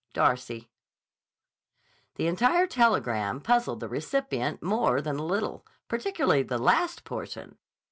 Darcy The entire telegram puzzled the recipient more than a little, particularly the last portion.